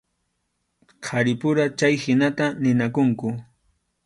Qharipura chayhinata ninakunku.